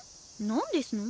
何ですの？